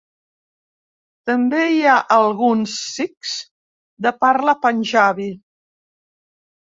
També hi ha alguns sikhs de parla panjabi.